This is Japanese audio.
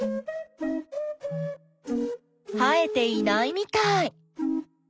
生えていないみたい。